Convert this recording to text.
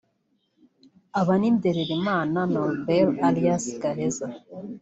Aba ni Ndererimana Norbert alias Gaheza